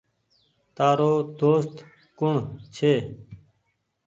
تآرو دوست ڪوڻ ڇي۔